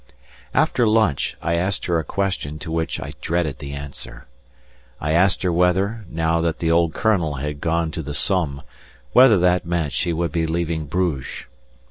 After lunch, I asked her a question to which I dreaded the answer. I asked her whether, now that the old Colonel had gone to the Somme, whether that meant that she would be leaving Bruges.